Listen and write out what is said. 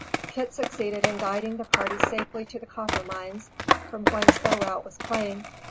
Kit succeeded in guiding the party safely to the Copper Mines, from whence their route was plain.